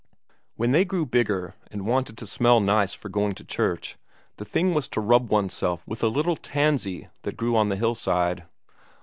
When they grew bigger, and wanted to smell nice for going to church, the thing was to rub oneself with a little tansy that grew on the hillside.